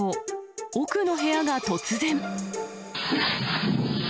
奥の部屋が突然。